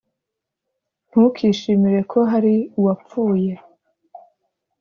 Ntukishimire ko hari uwapfuye,